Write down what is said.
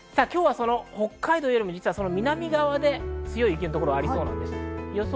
今日はその北海道よりも実は南側で強い雪の所がありそうです。